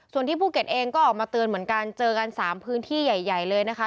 ส่วนที่ภูเก็ตเองก็ออกมาเตือนเหมือนกันเจอกัน๓พื้นที่ใหญ่เลยนะคะ